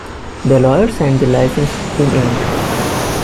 The lawyer signed the licence in ink.